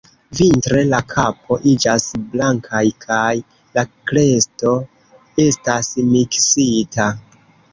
Vintre, la kapo iĝas blankaj kaj la kresto estas miksita.